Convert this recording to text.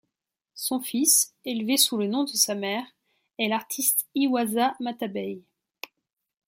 Son fils, élevé sous le nom de sa mère est l'artiste Iwasa Matabei.